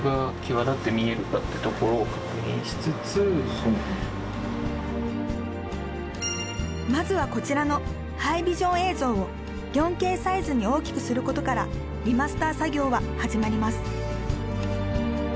再生をしてまずはこちらのハイビジョン映像を４Ｋサイズに大きくすることからリマスター作業は始まります